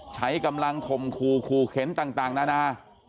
ใช้กำลังข่มขู่ขู่เข็นต่างนานา